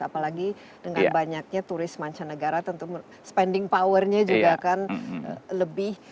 apalagi dengan banyaknya turis mancanegara tentu spending powernya juga akan lebih